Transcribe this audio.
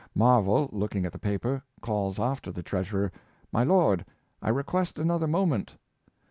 Marvell, looking at the pa per, calls after the treasurer, " My lord, I request an other moment."